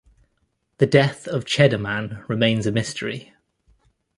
The death of Cheddar Man remains a mystery.